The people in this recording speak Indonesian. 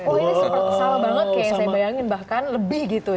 oh ini sama banget kayak yang saya bayangin bahkan lebih gitu ya